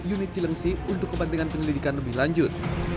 unit cilangsi untuk kepentingan penelitikan lebih lanjut